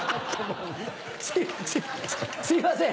すすいません